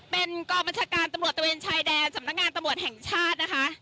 เป็นกองบัญชาการตำรวจตะเวนชายแดนสำนักงานตำรวจแห่งชาตินะคะ